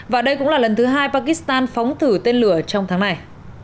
và đây cũng là lần thứ hai pakistan phóng thử tên lửa trong tháng này